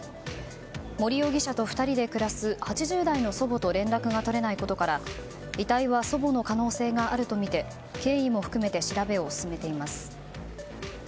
森容疑者と２人で暮らす８０代の祖母と連絡が取れないことから遺体は祖母の可能性があるとみて経緯も含めて調べを進めています。